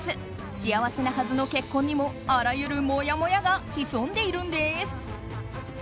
幸せなはずの結婚にもあらゆるもやもやが潜んでいるんです。